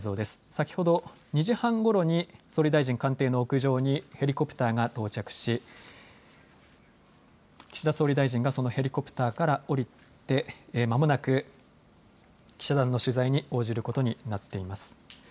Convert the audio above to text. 先ほど２時半ごろに総理大臣官邸の屋上にヘリコプターが到着し岸田総理大臣が、そのヘリコプターから降りてまもなく記者団の取材に応じることになっています。